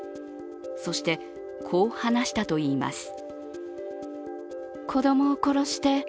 そして、こう話したといいます。